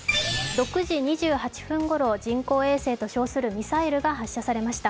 ６時２８分ごろ人工衛星と称するミサイルが発射されました。